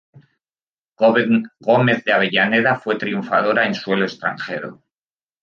Gómez de Avellaneda fue triunfadora en suelo extranjero.